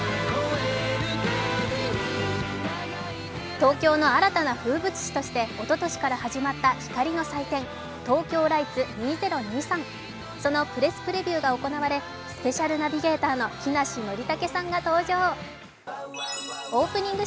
東京の新たな風物詩として、おととしから始まった光の祭典、ＴＯＫＹＯＬＩＧＨＴＳ２０２３そのプレスプレビューが行われスペシャルナビゲーターの木梨憲武さんが登場オープニング